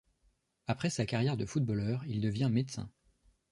Après sa carrière de footballeur, il devient médecin.